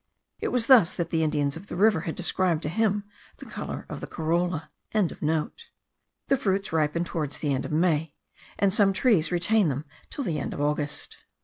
It was thus the Indians of the river had described to him the colour of the corolla.) The fruits ripen towards the end of May, and some trees retain them till the end of August.